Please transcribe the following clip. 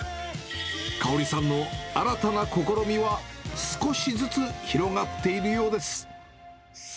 嘉織さんの新たな試みは少しずつ広がっているようです。